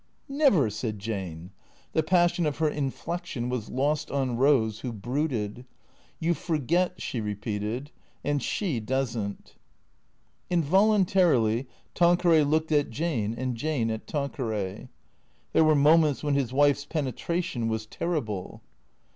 " Never !" said Jane. Tlie passion of her inflection was lost on Eose who brooded. " You forget," she repeated. " And she does n*t." Involuntarily Tanqueray looked at Jane and Jane at Tanque ray. There were moments when his wife's penetration was terrible.